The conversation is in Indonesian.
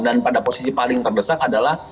dan pada posisi paling terdesak adalah